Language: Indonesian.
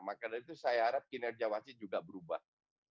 makanya itu saya harap kinerja wasid juga berubah